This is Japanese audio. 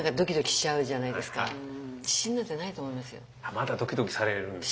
まだドキドキされるんですか。